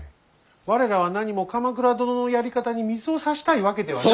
我らはなにも鎌倉殿のやり方に水をさしたいわけではなく。